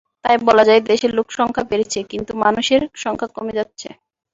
তাই বলা যায়, দেশের লোকসংখ্যা বেড়েছে, কিন্তু মানুষের সংখ্যা কমে যাচ্ছে।